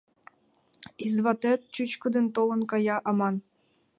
— Изватет чӱчкыдынак толын кая аман.